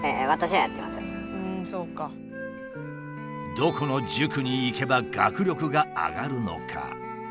どこの塾に行けば学力が上がるのか？